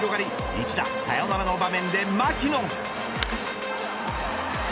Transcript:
一打サヨナラの場面で牧野。